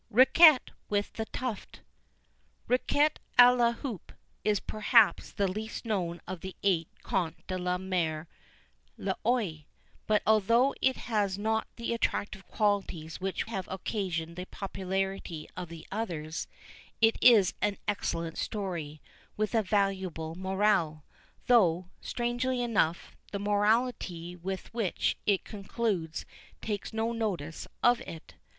RIQUET WITH THE TUFT. Riquet à la Houpe is perhaps the least known of the eight Contes de ma Mère l'Oye; but although it has not the attractive qualities which have occasioned the popularity of the others, it is an excellent story, with a valuable moral, though, strangely enough, the moralité with which it concludes takes no notice of it.